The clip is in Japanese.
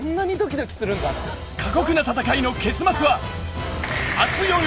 過酷な戦いの結末は